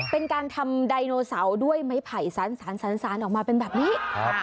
เป็นการทำไดโนเสาร์ด้วยไม้ไผ่สารออกมาเป็นแบบนี้